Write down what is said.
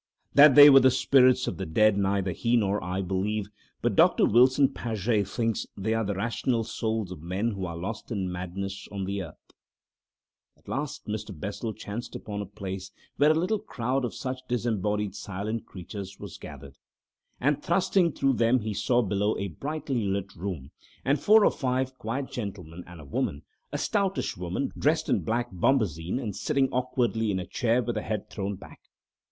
That they were the spirits of the dead neither he nor I believe. But Doctor Wilson Paget thinks they are the rational souls of men who are lost in madness on the earth. At last Mr. Bessel chanced upon a place where a little crowd of such disembodied silent creatures was gathered, and thrusting through them he saw below a brightly lit room, and four or five quiet gentlemen and a woman, a stoutish woman dressed in black bombazine and sitting awkwardly in a chair with her head thrown back.